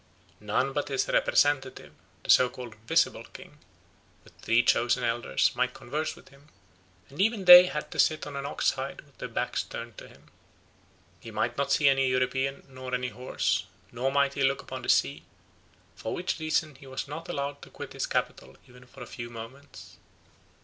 None but his representative, the so called 'visible king,' with three chosen elders might converse with him, and even they had to sit on an ox hide with their backs turned to him. He might not see any European nor any horse, nor might he look upon the sea, for which reason he was not allowed to quit his capital even for a few moments.